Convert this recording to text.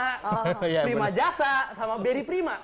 karena prima jasa sama beri prima